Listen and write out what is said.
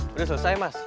udah selesai mas